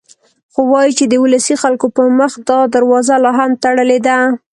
خو وايي چې د ولسي خلکو پر مخ دا دروازه لا هم تړلې ده.